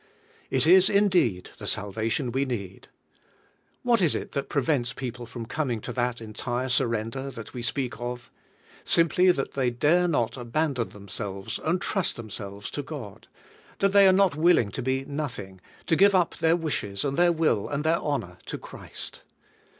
It is indeed the salvation we need. What is it that prevents people from coming to that entire surrender that we speak of? Simply that they dare not abandon themselves, and trust themselves, to God; that they are not willing to be nothing, to give up their wishes, and their will, and their honor to Christ.